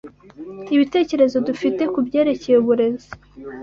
Ibitekerezo dufite ku byerekeye uburezi